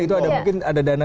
itu mungkin ada dana